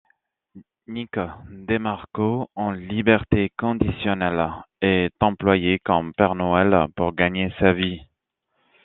Nick DeMarco, en liberté conditionnelle, est employé comme Père Noël pour gagner sa vie.